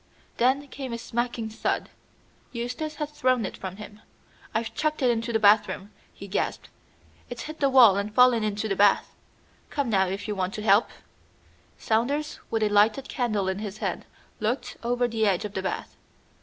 Then came a smacking thud. Eustace had thrown it from him. "I've chucked it into the bathroom," he gasped, "it's hit the wall and fallen into the bath. Come now if you want to help." Saunders, with a lighted candle in his hand, looked over the edge of the bath.